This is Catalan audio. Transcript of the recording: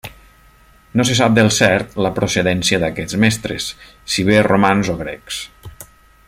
No se sap del cert la procedència d'aquests mestres, si bé romans o grecs.